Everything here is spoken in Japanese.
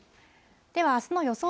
ではあすの予想